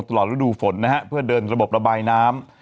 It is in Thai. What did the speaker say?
ตลอดฤดูฝนนะฮะเพื่อเดินระบบระบายน้ำ